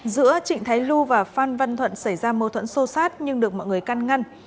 giữa trịnh thái lu và phan văn thuận xảy ra mâu thuẫn sô sát nhưng được mọi người căn ngăn